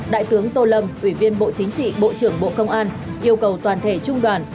đại tướng tô lâm ủy viên bộ chính trị bộ trưởng bộ công an yêu cầu toàn thể trung đoàn